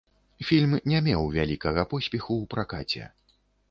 Фільм не меў вялікага поспеху ў пракаце.